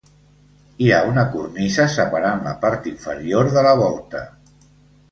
Hi ha una cornisa separant la part inferior de la volta.